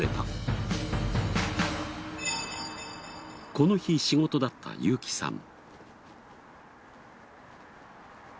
この日仕事だったユーキさん。